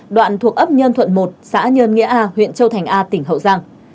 đoạn thuộc ấp nhân thuận một xã nhân nghĩa a huyện châu thành a tỉnh hậu giang